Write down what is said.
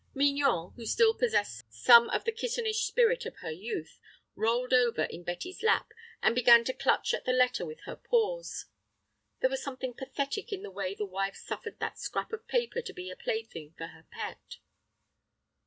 Mignon, who still possessed some of the kittenish spirit of her youth, rolled over in Betty's lap, and began to clutch at the letter with her paws. There was something pathetic in the way the wife suffered that scrap of paper to be a plaything for her pet.